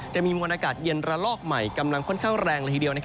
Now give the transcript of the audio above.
จะมีมวลอากาศเย็นระลอกใหม่กำลังค่อนข้างแรงละทีเดียว